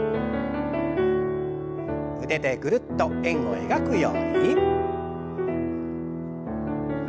腕でぐるっと円を描くように。